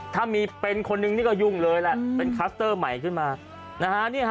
ถ้ามีเป็นคนนึงนี่ก็ยุ่งเลยแล้วอืมเป็นคัสเตอร์ใหม่ขึ้นมานะฮะเนี้ยฮะ